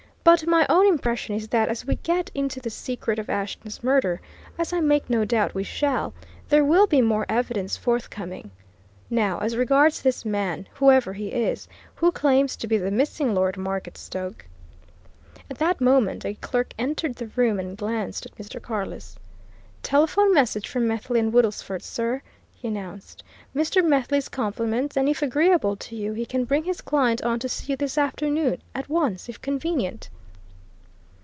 But my own impression is that as we get into the secret of Ashton's murder, as I make no doubt we shall, there will be more evidence forthcoming. Now, as regards this man, whoever he is, who claims to be the missing Lord Marketstoke " At that moment a clerk entered the room and glanced at Mr. Carless. "Telephone message from Methley and Woodlesford, sir," he announced. "Mr. Methley's compliments, and if agreeable to you, he can bring his client on to see you this afternoon at once, if convenient."